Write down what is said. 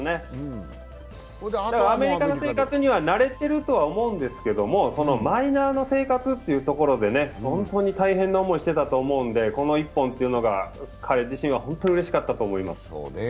アメリカの生活には慣れてるとは思うんですけどマイナーの生活というところで、本当に大変な思いしてたと思うんでこの一本が彼自身は本当にうれしかったと思います。